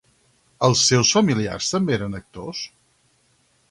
Els seus familiars també eren actors?